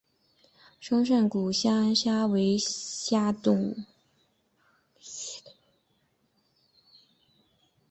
双扇股窗蟹为沙蟹科股窗蟹属的动物。